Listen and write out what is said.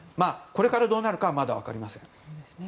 これからどうなるかはまだ分かりません。